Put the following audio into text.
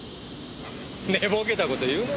寝ぼけた事言うな。